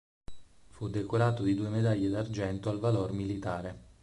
Fu decorato di due medaglie d'argento al valor militare.